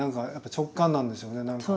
直感なんですよ。